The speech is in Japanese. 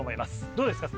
どうですか？